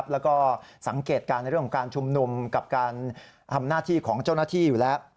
แล้วก็สังเกตการณ์ในเรื่องของการชุมนุมกับการทำหน้าที่ของเจ้าหน้าที่อยู่แล้ว